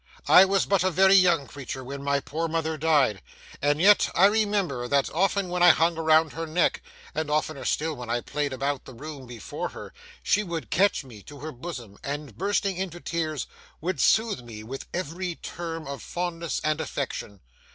I was but a very young creature when my poor mother died, and yet I remember that often when I hung around her neck, and oftener still when I played about the room before her, she would catch me to her bosom, and bursting into tears, would soothe me with every term of fondness and affection.